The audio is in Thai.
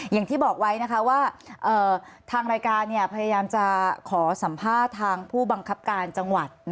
อย่างที่บอกไว้นะคะว่าทางรายการพยายามจะขอสัมภาษณ์ทางผู้บังคับการจังหวัด